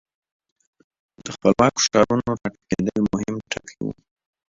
د خپلواکو ښارونو را ټوکېدل مهم ټکي وو.